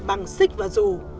bằng xích và rù